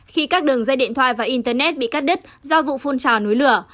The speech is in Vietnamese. khi các đường dây điện thoại và internet bị cắt đứt do vụ phun trào núi lửa